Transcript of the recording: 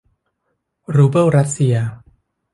รูเบิลรัสเซีย